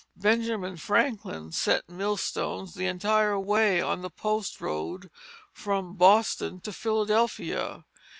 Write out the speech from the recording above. Benjamin Franklin set milestones the entire way on the post road from Boston to Philadelphia.